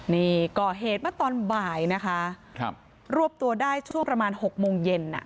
นี่ก่อเหตุเมื่อตอนบ่ายนะคะครับรวบตัวได้ช่วงประมาณ๖โมงเย็นอ่ะ